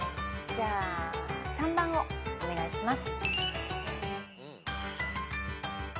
じゃあ３番をお願いします。